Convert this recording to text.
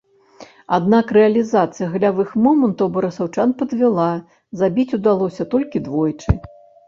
Аднак рэалізацыя галявых момантаў барысаўчан падвяла, забіць удалося толькі двойчы.